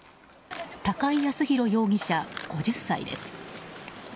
高井靖弘容疑者、５０歳です。